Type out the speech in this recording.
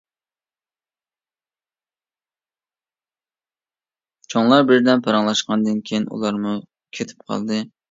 چوڭلار بىردەم پاراڭلاشقاندىن كېيىن ئۇلارمۇ كېتىپ قالدى.